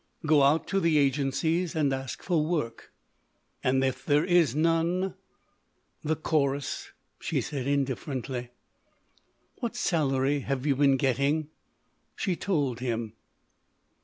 "Go out to the agencies and ask for work." "And if there is none?" "The chorus," she said, indifferently. "What salary have you been getting?" She told him.